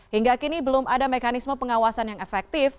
hingga kini belum ada mekanisme pengawasan yang efektif